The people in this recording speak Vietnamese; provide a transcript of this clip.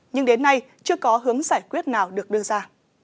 nhưng đến nay chưa có hướng giải quyết nào được đưa ra